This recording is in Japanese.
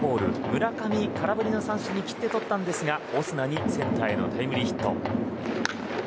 村上、空振りの三振でしたがオスナにセンターへのタイムリーヒット。